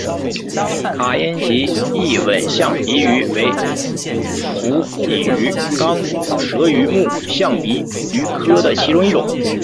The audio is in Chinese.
卡因吉异吻象鼻鱼为辐鳍鱼纲骨舌鱼目象鼻鱼科的其中一种。